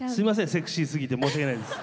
セクシーすぎて申し訳ないです。